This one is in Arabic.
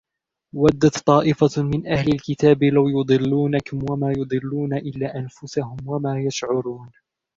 وَدَّتْ طَائِفَةٌ مِنْ أَهْلِ الْكِتَابِ لَوْ يُضِلُّونَكُمْ وَمَا يُضِلُّونَ إِلَّا أَنْفُسَهُمْ وَمَا يَشْعُرُونَ